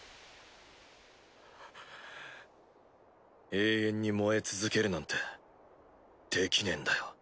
永遠に燃え続けるなんてできねえんだよ。